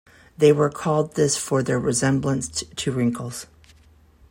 They were called this for their resemblance to wrinkles.